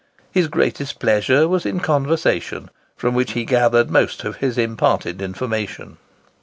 His greatest pleasure was in conversation, from which he gathered most of his imparted information.